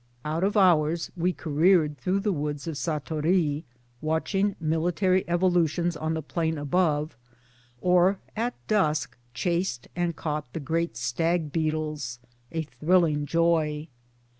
Out of hours we careered through the woods of Satory, watched military evolutions on the plain above, or at dusk chased and caught the great stag beetles a thrilling joy.